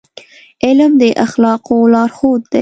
علم د اخلاقو لارښود دی.